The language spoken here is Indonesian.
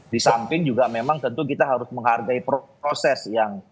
di samping juga memang tentu kita harus menghargai proses yang